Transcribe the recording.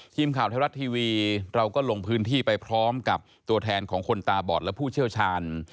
ทีมข่าวไทยรัฐทีวีเราก็ลงพื้นที่ไปพร้อมกับตัวแทนของคนตาบอดและผู้เชี่ยวชาญ